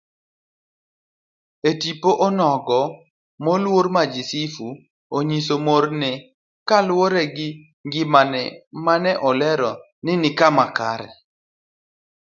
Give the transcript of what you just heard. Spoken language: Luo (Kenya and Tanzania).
Etipo onogo, moluor Majisifu onyiso morne kaluwore gi ngimane ma olero ni nikama kare.